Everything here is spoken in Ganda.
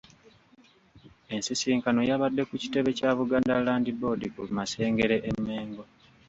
Ensisinkano yabadde ku kitebe kya Buganda Land Board ku Masengere e Mengo.